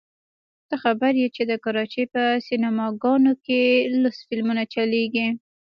ته خبر يې چې د کراچۍ په سينما ګانو کښې لوڅ فلمونه چلېږي.